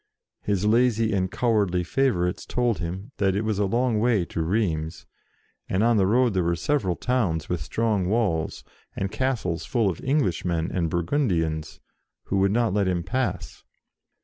His lazy and cowardly favourites told him that it was a long way to Rheims, and on the road there were several towns with strong walls, and castles full of English men and Burgundians, who would not let him pass.